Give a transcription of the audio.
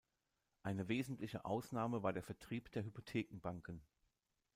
Eine wesentliche Ausnahme war der Vertrieb der Hypothekenbanken.